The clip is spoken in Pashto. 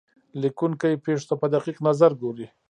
لیکونکی پېښو ته په دقیق نظر ګوري.